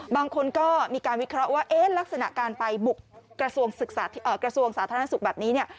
บางคนก็มีการวิเคราะห์ว่าลักษณะการไปบุกกระทรวงสาธารณสุขแบบนี้เนี่ย